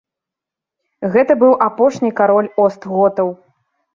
Гэта быў апошні кароль остготаў.